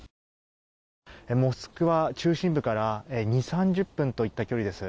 モスクワ中心部から２０３０分といった距離です。